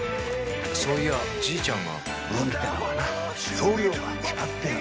そういやじいちゃんが運ってのはな量が決まってるんだよ。